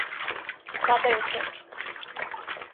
Када је то?